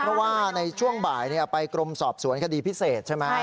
เพราะว่าในช่วงบ่ายไปกรมสอบสวนคดีพิเศษใช่ไหม